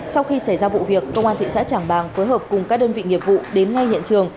sau khi xảy ra vụ việc công an thị xã trảng bàng phối hợp cùng các đơn vị nghiệp vụ đến ngay hiện trường